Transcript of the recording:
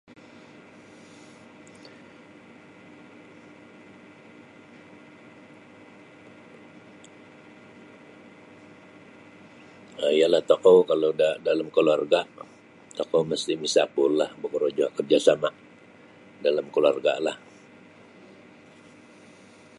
um Iyalah tokou kalau dalam kaluarga tokou misti misapullah bokorojo karjasama dalam kaluarglah.